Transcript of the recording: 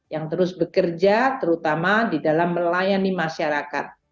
yang terus bekerja terutama di dalam melayani masyarakat